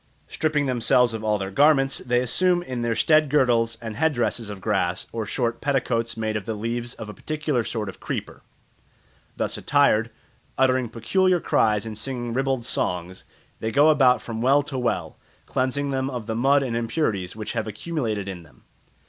Stripping themselves of all their garments, they assume in their stead girdles and head dresses of grass, or short petticoats made of the leaves of a particular sort of creeper. Thus attired, uttering peculiar cries and singing ribald songs, they go about from well to well, cleansing them of the mud and impurities which have accumulated in them.